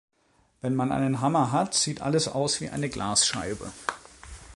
Wenn man einen Hammer hat, sieht alles aus wie eine Glasscheibe.